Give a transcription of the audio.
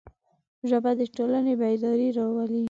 ژبه د ټولنې بیداري راولي